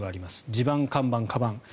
地盤、看板、かばん。